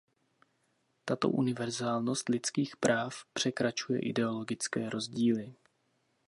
Tato univerzálnost lidských práv překračuje ideologické rozdíly.